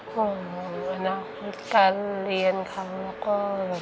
ห่วงอนาคตกันเรียนเค้าก็